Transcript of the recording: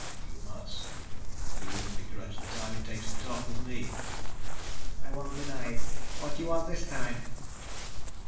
"You must. You even begrudge the time it takes to talk with me." "I won't deny it. What do you want this time?"